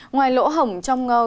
ngoài lỗ hổng trong công tác kiểm soát